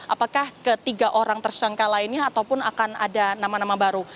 apakah ketiga orang tersangka lainnya ataupun akan ada nama nama baru